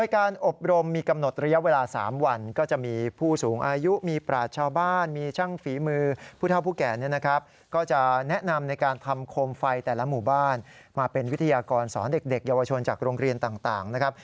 การสอนเด็กยาวชนจากโรงเรียนต่างนะครับ